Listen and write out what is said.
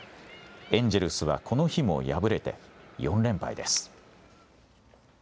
エンジェルスはこの日も敗れて、４連敗です。